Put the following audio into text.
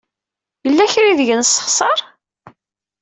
Yella kra aydeg nessexṣer?